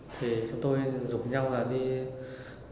thì chúng tôi rủ nhau ra đi đập kính